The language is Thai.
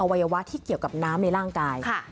วัยวะที่เกี่ยวกับน้ำในร่างกาย